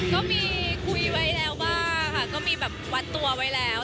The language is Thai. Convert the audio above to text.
ก็มีคุยไว้แล้วบ้างค่ะก็มีแบบวัดตัวไว้แล้ว